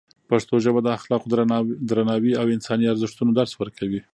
پښتو ژبه د اخلاقو، درناوي او انساني ارزښتونو درس ورکوي.